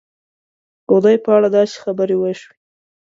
د خدای په اړه داسې خبرې وشي.